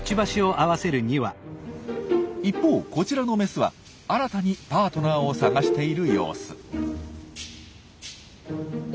一方こちらのメスは新たにパートナーを探している様子。